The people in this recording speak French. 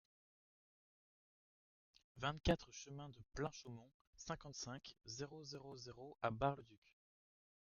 vingt-quatre chemin de Plein Chaumont, cinquante-cinq, zéro zéro zéro à Bar-le-Duc